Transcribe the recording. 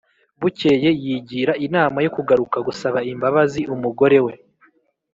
Bukeye yigira inama yo kugaruka gusaba imbabazi umugore we